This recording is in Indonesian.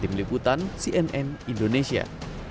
tim liputan cnn indonesia